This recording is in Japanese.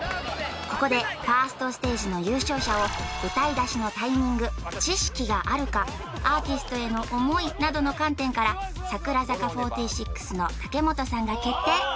ここでファーストステージの優勝者を歌いだしのタイミング知識があるかアーティストへの思いなどの観点から櫻坂４６の武元さんが決定